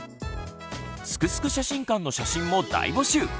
「すくすく写真館」の写真も大募集！